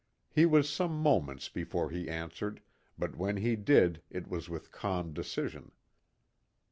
He was some moments before he answered, but when he did it was with calm decision.